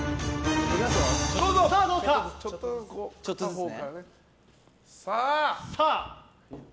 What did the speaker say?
ちょっとずつね。